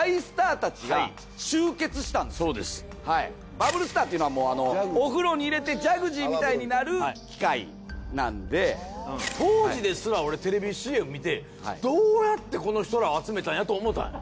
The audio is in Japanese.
バブルスターっていうのはお風呂に入れてジャグジーみたいになる機械なんで当時ですら俺テレビＣＭ見てどうやってこの人ら集めたんやと思た。